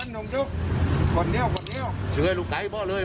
ต้องทำเพื่ออะไรมาตก